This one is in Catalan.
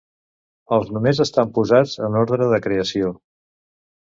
Els nomes estan posats en orde de creació.